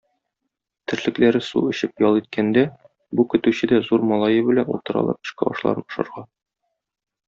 Терлекләре су эчеп ял иткәндә, бу көтүче дә зур малае белән утыралар төшке ашларын ашарга.